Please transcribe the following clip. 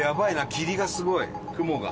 霧がすごい雲が。